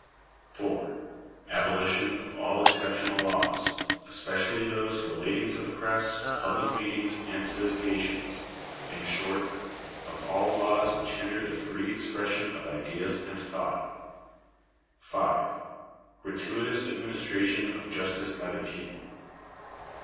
4. Abolition of all exceptional laws, especially those relating to the press, public meetings, and associations—in short, of all laws which hinder the free expression of ideas and thought. 5. Gratuitous administration of justice by the people.